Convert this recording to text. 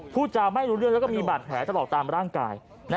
พูดจาไม่รู้เรื่องแล้วก็มีบาดแผลตลอดตามร่างกาย